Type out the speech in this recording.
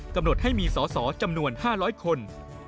กำหนดให้มีสอสอจำนวน๕๐๐คน